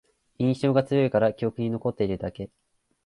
印象が強いから記憶に残ってるだけ